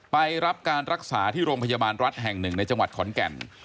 ไปรับการรักษาที่โรงพยาบาลรัฐแห่งหนึ่งในจังหวัดขอนแก่น